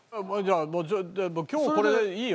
じゃあ今日これでいいよ。